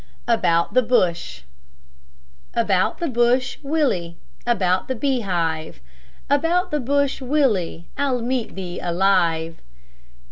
ABOUT THE BUSH About the bush, Willie, About the beehive, About the bush, Willie, I'll meet thee alive.